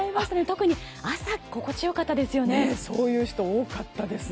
特に朝、心地よかったです。